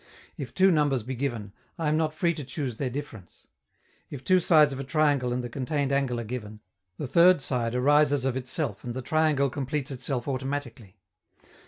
If two numbers be given, I am not free to choose their difference. If two sides of a triangle and the contained angle are given, the third side arises of itself and the triangle completes itself automatically.